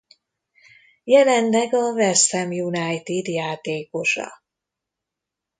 Jelenleg a West Ham United játékosa.